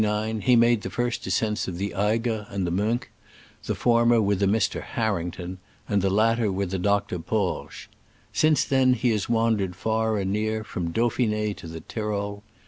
In 1858 59 he made the first ascents of the Eigher and the Monch, the former with a Mr. Har rington (?), and the latter with Dr. Porges. Since then he has wandered far and near, from Dauphine to the Tyrol.